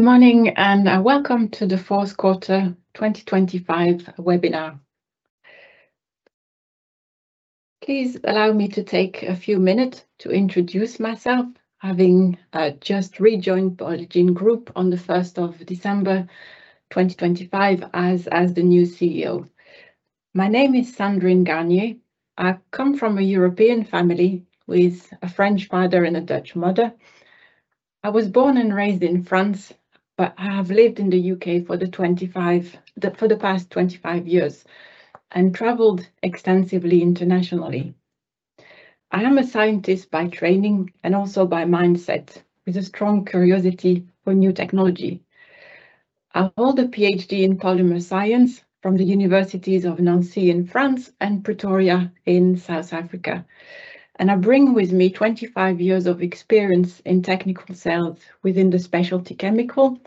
Good morning, and welcome to the Fourth Quarter 2025 webinar. Please allow me to take a few minutes to introduce myself, having just rejoined Polygiene Group on the 1st of December 2025 as the new CEO. My name is Sandrine Garnier. I come from a European family with a French father and a Dutch mother. I was born and raised in France, but I have lived in the U.K. for the past 25 years and traveled extensively internationally. I am a scientist by training and also by mindset, with a strong curiosity for new technology. I hold a PhD in Polymer Science from the Universities of Nancy in France and Pretoria in South Africa, and I bring with me 25 years of experience in technical sales within the specialty chemical,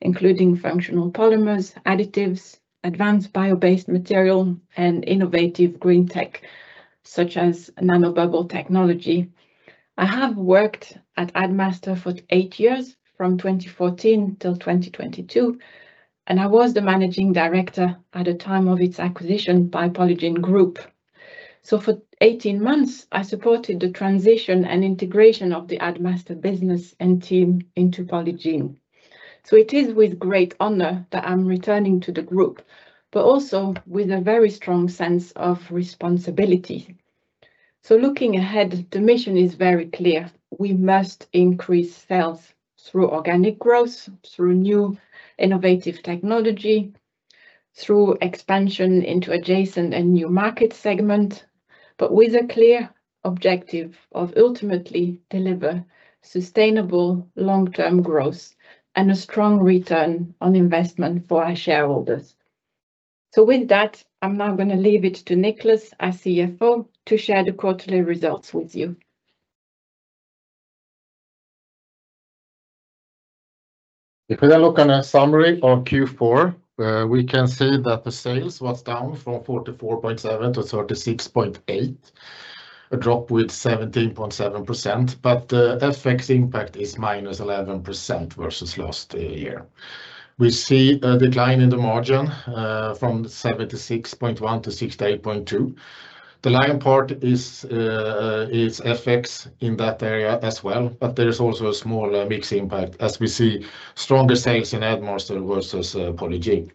including functional polymers, additives, advanced bio-based material, and innovative green tech, such as nanobubble technology. I have worked at Addmaster for eight years, from 2014 till 2022, and I was the managing director at the time of its acquisition by Polygiene Group. For 18 months, I supported the transition and integration of the Addmaster business and team into Polygiene. It is with great honor that I'm returning to the group, but also with a very strong sense of responsibility. Looking ahead, the mission is very clear. We must increase sales through organic growth, through new innovative technology, through expansion into adjacent and new market segment, but with a clear objective of ultimately deliver sustainable long-term growth and a strong return on investment for our shareholders. So with that, I'm now gonna leave it to Niklas, our CFO, to share the quarterly results with you. If we now look on a summary on Q4, we can see that the sales was down from 44.7 to 36.8. A drop with 17.7%, but the FX impact is -11% versus last year. We see a decline in the margin from 76.1% to 68.2%. The lion part is FX in that area as well, but there is also a small mix impact as we see stronger sales in Addmaster versus Polygiene.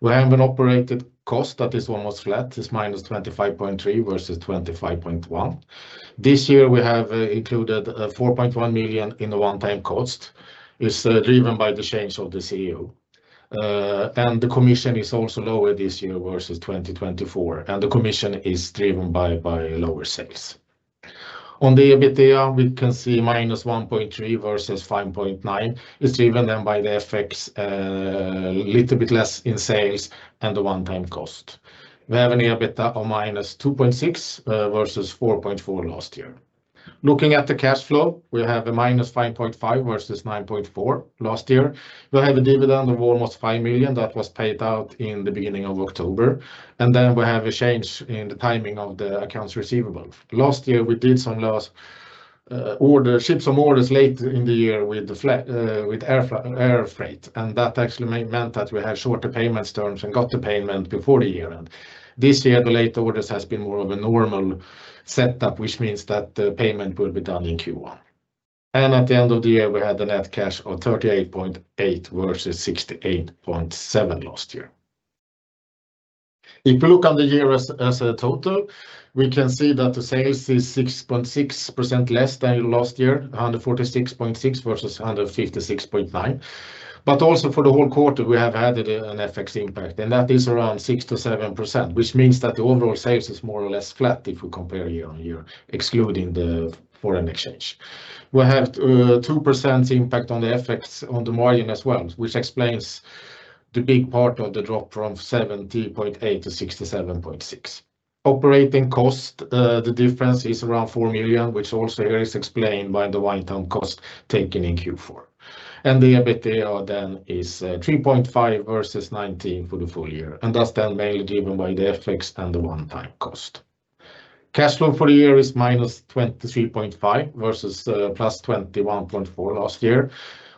We have an operated cost that is almost flat, -25.3 versus 25.1. This year, we have included 4.1 million in the one-time cost, driven by the change of the CEO. And the commission is also lower this year versus 2024, and the commission is driven by, by lower sales. On the EBITDA, we can see -1.3 million versus 5.9 million, is driven then by the FX, little bit less in sales and the one-time cost. We have an EBITDA of -2.6 million versus 4.4 million last year. Looking at the cash flow, we have -5.5 million versus 9.4 million last year. We have a dividend of almost 5 million that was paid out in the beginning of October, and then we have a change in the timing of the accounts receivable. Last year, we did some last order, ship some orders late in the year with air freight, and that actually meant that we had shorter payments terms and got the payment before the year end. This year, the late orders has been more of a normal setup, which means that the payment will be done in Q1. At the end of the year, we had the net cash of 38.8 versus 68.7 last year. If you look on the year as a total, we can see that the sales is 6.6% less than last year, 146.6 versus 156.9. But also for the whole quarter, we have added an FX impact, and that is around 6% to 7%, which means that the overall sales is more or less flat if we compare year-on-year, excluding the foreign exchange. We have, 2% impact on the FX on the margin as well, which explains the big part of the drop from 70.8% to 67.6%. Operating cost, the difference is around 4 million, which also is explained by the one-time cost taken in Q4. And the EBITDA then is, 3.5 versus 19 for the full year, and that's then mainly driven by the FX and the one-time cost. Cash flow for the year is -23.5 versus, +21.4 last year.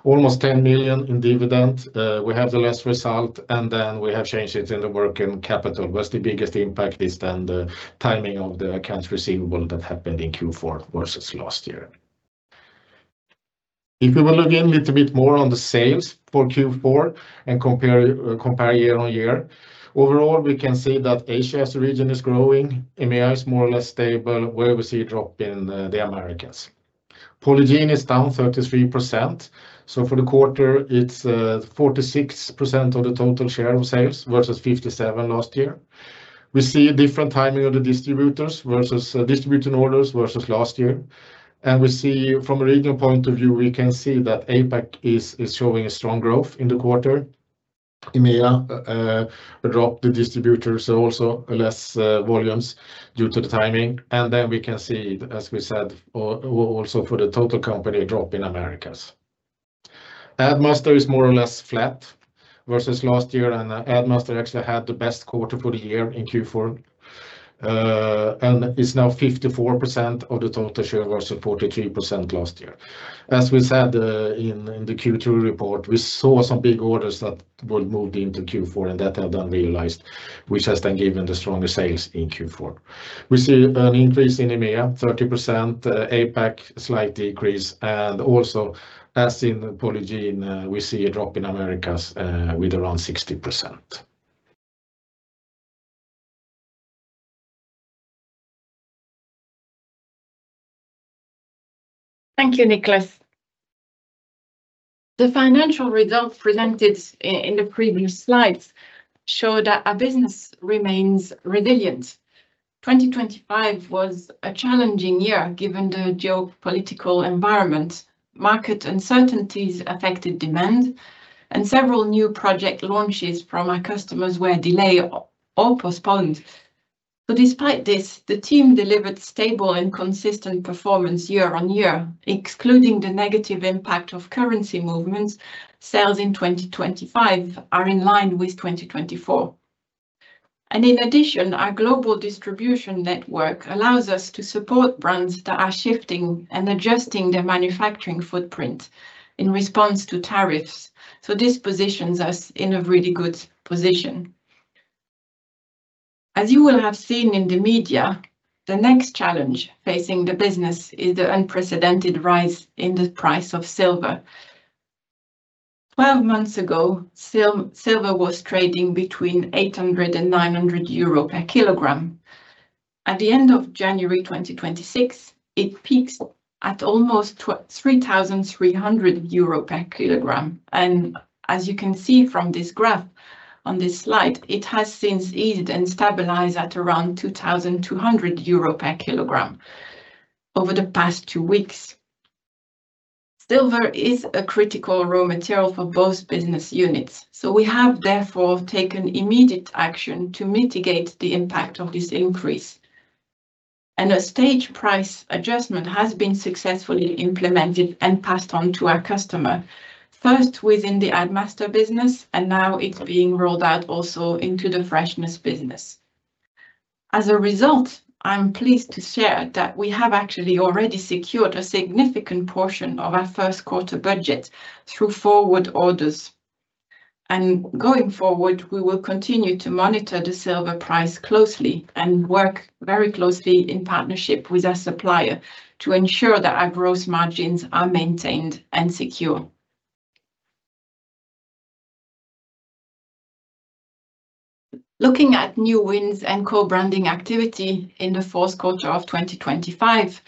Almost 10 million in dividend. We have the last result, and then we have changes in the working capital, where the biggest impact is then the timing of the accounts receivable that happened in Q4 versus last year. If you will look a little bit more on the sales for Q4 and compare, compare year-on-year, overall, we can see that Asia as a region is growing. EMEA is more or less stable, where we see a drop in the Americas. Polygiene is down 33%, so for the quarter, it's 46% of the total share of sales versus 57% last year. We see a different timing of the distributors versus distribution orders versus last year, and we see from a regional point of view, we can see that APAC is showing a strong growth in the quarter. EMEA dropped the distributors, so also less volumes due to the timing. And then we can see, as we said, also for the total company, a drop in Americas. Addmaster is more or less flat versus last year, and Addmaster actually had the best quarter for the year in Q4. And it's now 54% of the total share versus 43% last year. As we said, in the Q2 report, we saw some big orders that were moved into Q4 and that have been realized, which has then given the stronger sales in Q4. We see an increase in EMEA, 30%, APAC, a slight decrease, and also, as in Polygiene, we see a drop in Americas, with around 60%. Thank you, Niklas. The financial results presented in the previous slides show that our business remains resilient. 2025 was a challenging year, given the geopolitical environment. Market uncertainties affected demand, and several new project launches from our customers were delayed or postponed. But despite this, the team delivered stable and consistent performance year-on-year, excluding the negative impact of currency movements, sales in 2025 are in line with 2024. And in addition, our global distribution network allows us to support brands that are shifting and adjusting their manufacturing footprint in response to tariffs, so this positions us in a really good position. As you will have seen in the media, the next challenge facing the business is the unprecedented rise in the price of silver. Twelve months ago, silver was trading between 800 and 900 euro per kilogram. At the end of January 2026, it peaked at almost 3,300 euro per kilogram, and as you can see from this graph on this slide, it has since eased and stabilized at around 2,200 euro per kilogram over the past two weeks. Silver is a critical raw material for both business units, so we have therefore taken immediate action to mitigate the impact of this increase. A stage price adjustment has been successfully implemented and passed on to our customer, first within the Addmaster business, and now it's being rolled out also into the Freshness business. As a result, I'm pleased to share that we have actually already secured a significant portion of our first quarter budget through forward orders. Going forward, we will continue to monitor the silver price closely and work very closely in partnership with our supplier to ensure that our gross margins are maintained and secure. Looking at new wins and co-branding activity in the fourth quarter of 2025,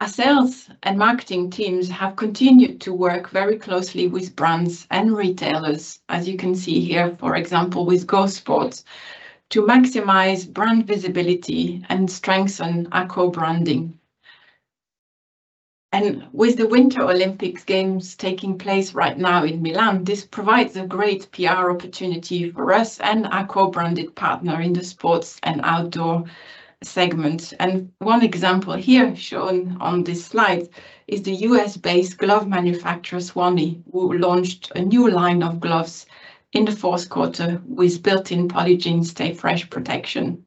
our sales and marketing teams have continued to work very closely with brands and retailers, as you can see here, for example, with GO Sport, to maximize brand visibility and strengthen our co-branding. With the Winter Olympics Games taking place right now in Milan, this provides a great PR opportunity for us and our co-branded partner in the sports and outdoor segment. One example here shown on this slide is the U.S.-based glove manufacturer, Swany, who launched a new line of gloves in the fourth quarter with built-in Polygiene StayFresh protection.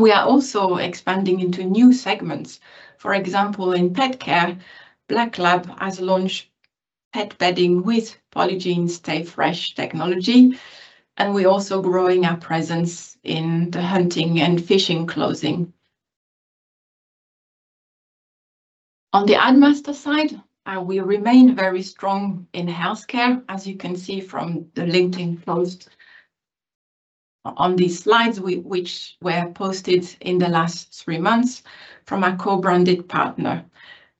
We are also expanding into new segments. For example, in pet care, Black Lab has launched pet bedding with Polygiene StayFresh technology, and we're also growing our presence in the hunting and fishing clothing. On the Addmaster side, we remain very strong in healthcare, as you can see from the LinkedIn post on these slides, which were posted in the last three months from our co-branded partner.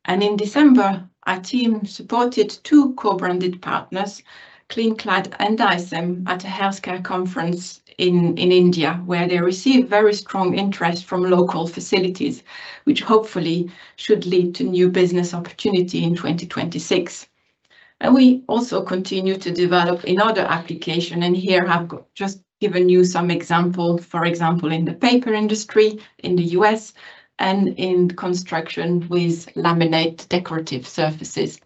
And in December, our team supported two co-branded partners, Kleenclad and Dycem, at a healthcare conference in India, where they received very strong interest from local facilities, which hopefully should lead to new business opportunity in 2026. And we also continue to develop in other application, and here I've just given you some examples. For example, in the paper industry, in the U.S., and in construction with laminate decorative surfaces.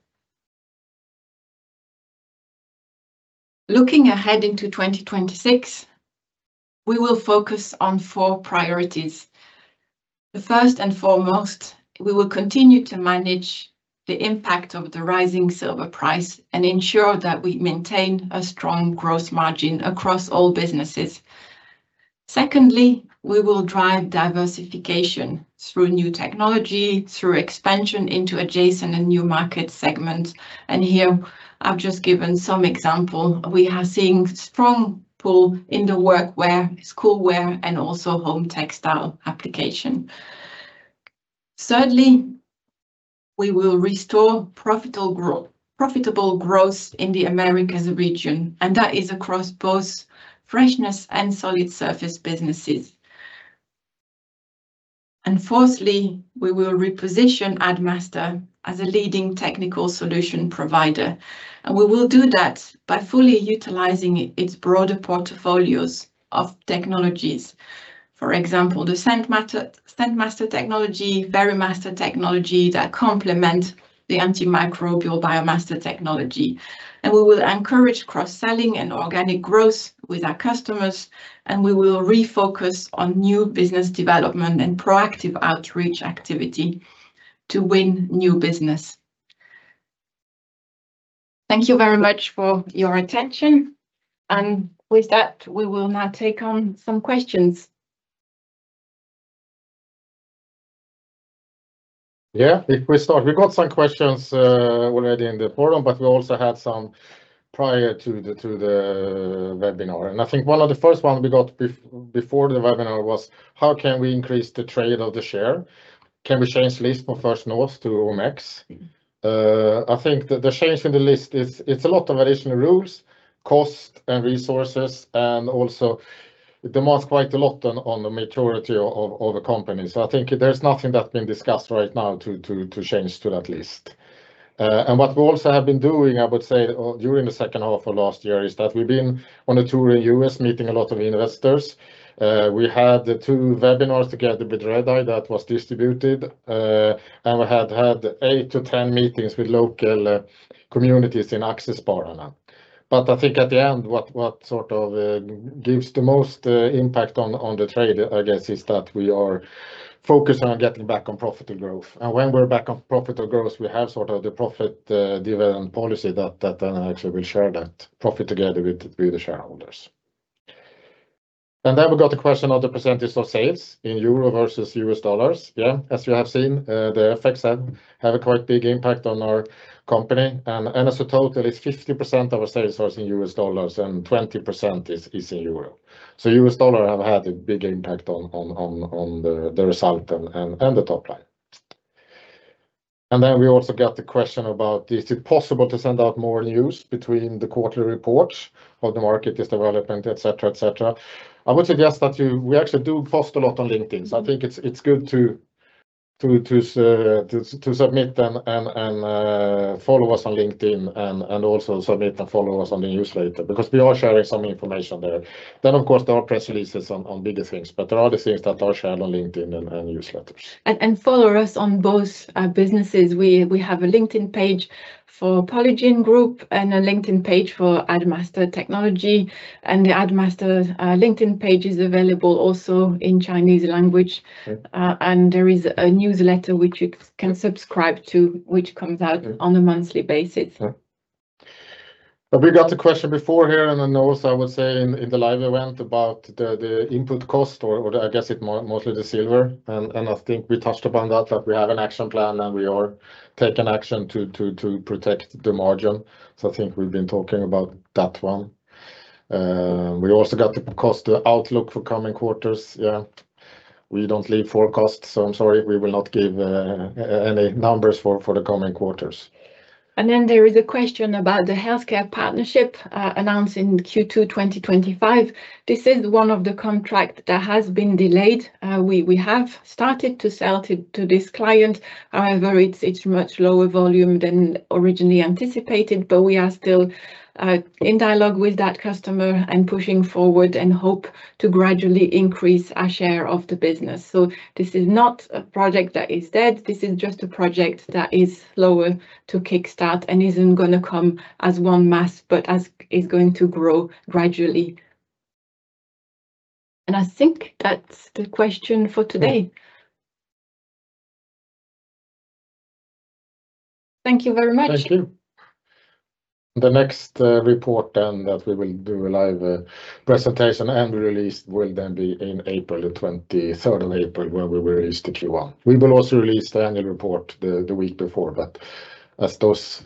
Looking ahead into 2026, we will focus on four priorities. The first and foremost, we will continue to manage the impact of the rising silver price and ensure that we maintain a strong gross margin across all businesses. Secondly, we will drive diversification through new technology, through expansion into adjacent and new market segments, and here I've just given some example. We are seeing strong pull in the work wear, school wear, and also home textile application. Thirdly, we will restore profitable growth in the Americas region, and that is across both Freshness and Solid Surface businesses, and fourthly, we will reposition Addmaster as a leading technical solution provider, and we will do that by fully utilizing its broader portfolios of technologies. For example, the Scentmaster, Scentmaster technology, Verimaster technology that complement the antimicrobial Biomaster technology. We will encourage cross-selling and organic growth with our customers, and we will refocus on new business development and proactive outreach activity to win new business. Thank you very much for your attention, and with that, we will now take on some questions. Yeah, if we start, we got some questions already in the forum, but we also had some prior to the webinar. And I think one of the first ones we got before the webinar was, "How can we increase the trade of the share? Can we change list from First North to Nasdaq Stockholm?" I think the change in the list is it's a lot of additional rules, cost, and resources, and also demands quite a lot on the maturity of a company. So I think there's nothing that's being discussed right now to change to that list. And what we also have been doing, I would say, during the second half of last year, is that we've been on a tour in U.S., meeting a lot of investors. We had the two webinars together with Redeye that was distributed, and we had had eight to ten meetings with local communities in Aktiespararna now. But I think at the end, what sort of gives the most impact on the trade, I guess, is that we are focused on getting back on profitable growth. And when we're back on profitable growth, we have sort of the profit development policy that then actually will share that profit together with the shareholders. And then we got the question of the percentage of sales in euro versus U.S. dollars. Yeah, as you have seen, the FX have a quite big impact on our company, and as a total, it's 50% of our sales are in US dollars, and 20% is in euro. So U.S. dollar have had a big impact on the result and the top line. And then we also got the question about, "Is it possible to send out more news between the quarterly reports of the market, this development, et cetera, et cetera?" I would suggest that we actually do post a lot on LinkedIn, so I think it's good to submit and follow us on LinkedIn and also submit and follow us on the newsletter, because we are sharing some information there. Then, of course, there are press releases on bigger things, but there are the things that are shared on LinkedIn and newsletters. Follow us on both businesses. We have a LinkedIn page for Polygiene Group and a LinkedIn page for Addmaster Technology, and the Addmaster LinkedIn page is available also in Chinese language. Yeah. There is a newsletter which you can subscribe to, which comes out- Yeah... on a monthly basis. Yeah. But we got a question before here, and then also, I would say in the live event, about the input cost, or I guess it more, mostly the silver. And I think we touched upon that we have an action plan, and we are taking action to protect the margin, so I think we've been talking about that one. We also got the cost outlook for coming quarters. Yeah, we don't give forecasts, so I'm sorry, we will not give any numbers for the coming quarters. Then there is a question about the healthcare partnership announced in Q2 2025. This is one of the contract that has been delayed. We have started to sell to this client. However, it's much lower volume than originally anticipated, but we are still in dialogue with that customer and pushing forward and hope to gradually increase our share of the business. So this is not a project that is dead. This is just a project that is slower to kickstart and isn't gonna come as one mass, but as it's going to grow gradually. And I think that's the question for today. Yeah. Thank you very much. Thank you. The next report, then, that we will do a live presentation and release will then be in April, the twenty-third of April, where we release the Q1. We will also release the annual report the week before, but as those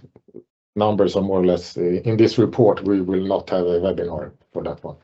numbers are more or less in this report, we will not have a webinar for that one.